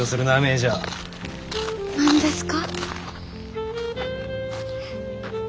何ですか？